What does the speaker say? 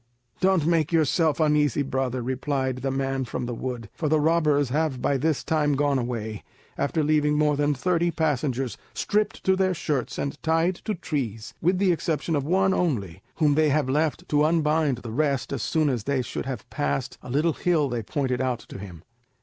"Don't make yourself uneasy, brother," replied the man from the wood, "for the robbers have by this time gone away, after leaving more than thirty passengers stripped to their shirts and tied to trees, with the exception of one only, whom they have left to unbind the rest as soon as they should have passed a little hill they pointed out to him."